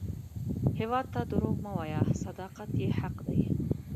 هیواد ته دروغ مه وایه، صداقت یې حق دی